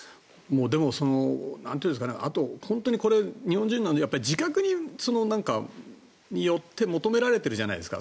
でも、本当にこれ日本人の自覚によって求められてるじゃないですか。